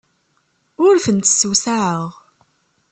Ur tent-ssewsaɛeɣ.